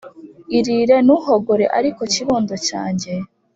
Iririre, ntuhogore ariko kibondo cyanjye